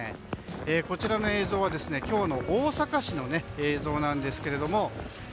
こちらの映像は今日の大阪市の映像なんですけれども。